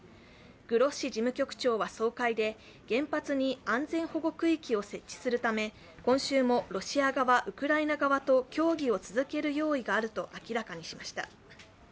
グロッシ事務局長は総会で、原発に安全保護区域を設置するため、今週もロシア側、ウクライナ側と協議を続ける用意があると明らかにしました。